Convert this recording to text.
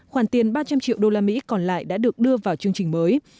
khoản tiền ba trăm linh triệu đô la mỹ còn lại đã được đưa vào chương trình mới